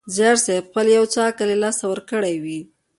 زیارصېب خپل یو څه عقل له لاسه ورکړی وي.